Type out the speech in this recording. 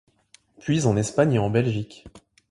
Puis en Espagne et en Belgique.